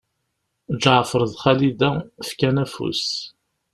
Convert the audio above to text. Ǧeɛfer d Xalida fkan afus.